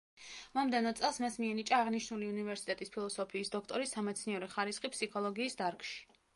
მომდევნო წელს მას მიენიჭა აღნიშნული უნივერსიტეტის ფილოსოფიის დოქტორის სამეცნიერო ხარისხი ფსიქოლოგიის დარგში.